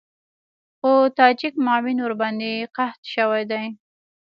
خو تاجک معاون ورباندې قحط شوی دی.